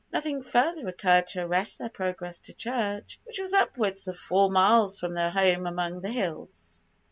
Nothing further occurred to arrest their progress to church, which was upwards of four miles from their home among the hills.